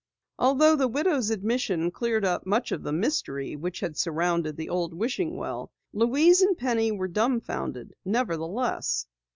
Although the widow's admission cleared up much of the mystery which had surrounded the old wishing well, Louise and Penny were dumbfounded, nevertheless.